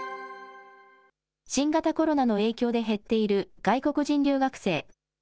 新型コロナの影響で減っている外国人留学生。